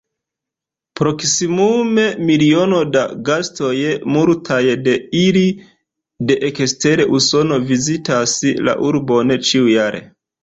Proksimume miliono da gastoj, multaj de ili de ekster Usono, vizitas la urbon ĉiujare.